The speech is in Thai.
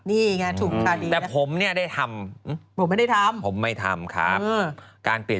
นี่ไงถูกทาร์ดีนะทราบแต่ผมได้ทำ